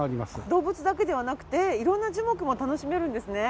動物だけではなくて色んな樹木も楽しめるんですね。